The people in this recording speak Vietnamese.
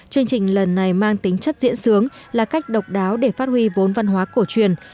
chương trình lần này mang tính chất diễn sướng là cách độc đáo để phát huy vốn văn hóa cổ truyền